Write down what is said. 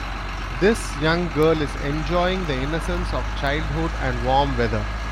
This young girl is enjoying the innocence of childhood and warm weather.